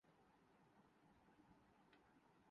نہ اسلام خطرے میں تھا۔